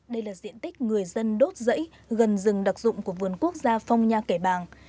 đây là diện tích người dân đốt rẫy gần rừng đặc dụng của vườn quốc gia phong nha kẻ bàng